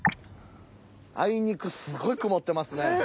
あいにくすごい曇ってますね。